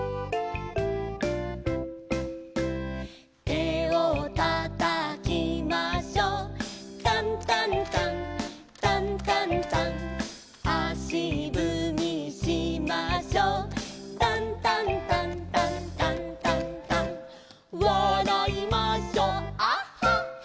「手を叩きましょう」「タンタンタンタンタンタン」「足ぶみしましょう」「タンタンタンタンタンタンタン」「わらいましょうアッハッハ」